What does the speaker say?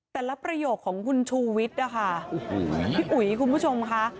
แต่ละประโยคของคุณชูวิดอะค่ะพี่อุ่ยคุณผู้ชมค่ะ